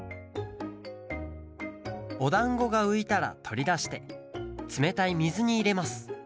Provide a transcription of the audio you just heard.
おだんごがういたらとりだしてつめたいみずにいれます。